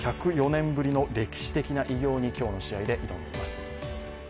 １０４年ぶりの歴史的な偉業に今日の試合で挑みます。